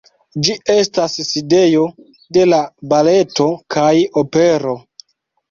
Ĝi estas sidejo de la baleto kaj opero.